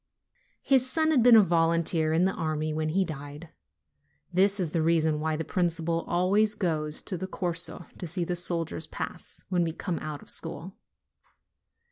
His son had been a volunteer in the army when he died : this is the reason why the principal always goes to the Corso to see the soldiers pass, when we come out of school.